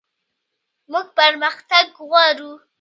موږ پرمختګ غواړو